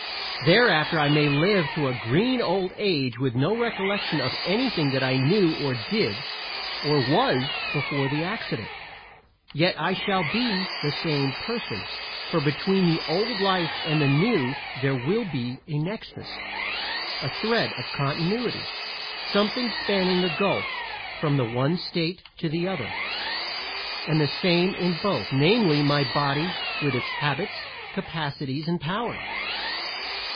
Thereafter I may live to a green old age with no recollection of anything that I knew, or did, or was before the accident; yet I shall be the same person, for between the old life and the new there will be a nexus, a thread of continuity, something spanning the gulf from the one state to the other, and the same in both namely, my body with its habits, capacities and powers.